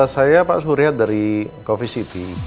saya pak surya dari coffee city